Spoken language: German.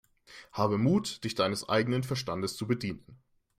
Habe Mut, dich deines eigenen Verstandes zu bedienen!